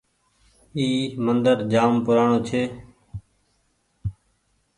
اي مندر جآم پورآڻي ڇي۔